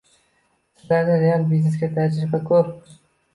sizlarda real biznesda tajriba ko'p.